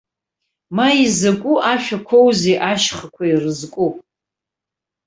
Ма изакәы ашәақәоузеи ашьхақәа ирызку.